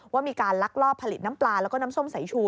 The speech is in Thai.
ว่ามีการลักลอบผลิตน้ำปลาแล้วก็น้ำส้มสายชู